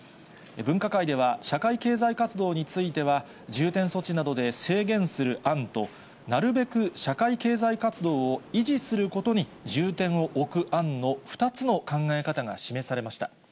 分科会では、社会経済活動については、重点措置などで制限する案と、なるべく社会経済活動を維持することに、重点を置く案の２つの考え方が示されました。